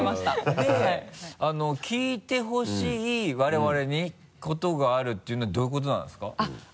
で聞いてほしい我々にことがあるっていうのはどういうことなんですか？